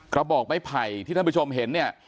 กระบอกไม้ไผ่ที่ท่านผู้ชมเห็นเนี่ย